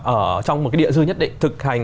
ở trong một cái địa dư nhất định thực hành